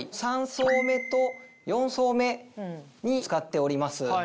３層目と４層目に使っております。